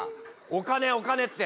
お金お金って。